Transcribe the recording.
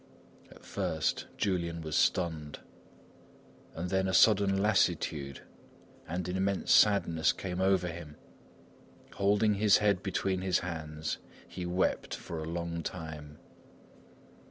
At first Julian was stunned, and then a sudden lassitude and an immense sadness came over him. Holding his head between his hands, he wept for a long time.